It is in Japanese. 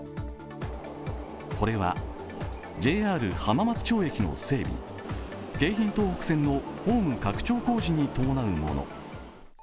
これはＪＲ浜松町駅の整備、京浜東北線のホーム拡張工事に伴うもの。